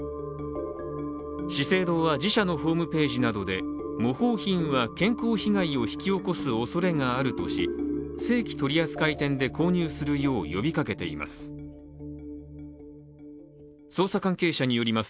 資生堂は、自社のホームページなどで模倣品は健康被害を引き起こす恐れがあるとし、正規取扱店で購入するよう呼びかけています。